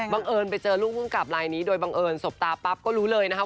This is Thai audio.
เอิญไปเจอลูกภูมิกับลายนี้โดยบังเอิญสบตาปั๊บก็รู้เลยนะคะ